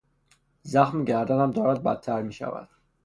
زخم گردنم دارد بدتر میشود.